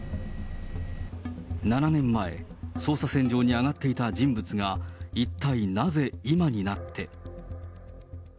７年前、捜査線上に上がっていた人物が、一体なぜ、今になって。